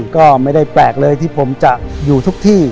ก็ไม่ได้แปลกเลยที่ผมจะอยู่ทุกที่